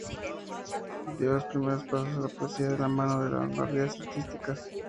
Dio los primeros pasos en la poesía de la mano de las vanguardias artísticas.